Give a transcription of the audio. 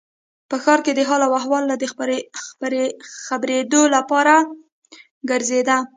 په ښار کې د حال و احوال نه د خبرېدو لپاره ګرځېده.